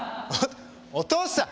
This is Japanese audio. お父さん！